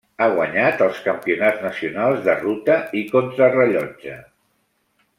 Ha guanyat els Campionats nacionals de ruta i contrarellotge.